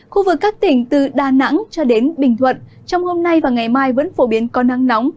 khu vực các tỉnh từ đà nẵng cho đến bình thuận trong hôm nay và ngày mai vẫn phổ biến có nắng nóng